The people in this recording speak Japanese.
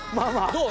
どう？